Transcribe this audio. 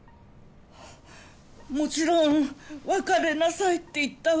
もちろん別れなさいって言ったわ。